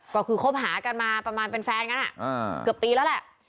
ก็คือคบหากันมาประมาณเป็นแฟนกันเกือบปีแล้วแหละ